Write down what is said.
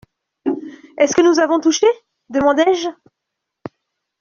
«Est-ce que nous avons touché ? demandai-je.